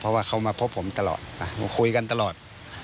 เพราะว่าเขามาพบผมตลอดมาคุยกันตลอด